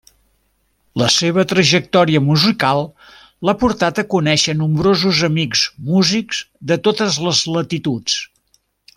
La seva trajectòria musical l'ha portat a conèixer nombrosos amics músics de totes les latituds.